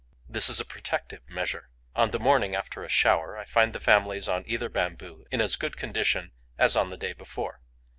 This is a protective measure. On the morning after a shower, I find the families on either bamboo in as good condition as on the day before.